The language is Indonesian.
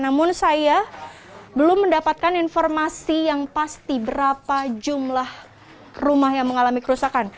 namun saya belum mendapatkan informasi yang pasti berapa jumlah rumah yang mengalami kerusakan